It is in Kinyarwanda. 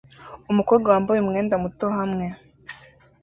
Umukobwa wambaye umwenda muto hamwe